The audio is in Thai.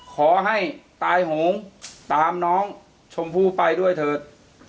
ขอให้ตายโหงตามน้องชมพู่ไปด้วยเถอะ